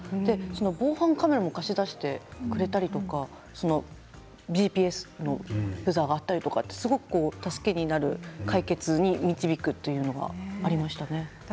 防犯カメラも貸し出してくれたりとかＧＰＳのブザーがあったり助けになる解決に導くというのがありましたね。